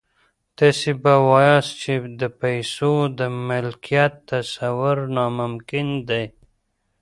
تاسې به واياست چې د پيسو د ملکيت تصور ناممکن دی.